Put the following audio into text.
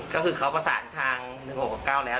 ก็คือเขาประสานทาง๑๖๖๙แล้ว